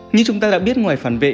như chúng ta đã biết ngoài phản vệ